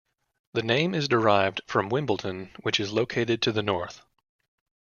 The name is derived from Wimbledon, which is located to the North.